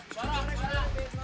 kalian dibayaran sayul lho